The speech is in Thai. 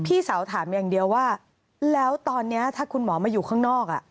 พี่สาวถามอย่างเดียวว่าแล้วตอนนี้ถ้าคุณหมอมาอยู่ข้างนอก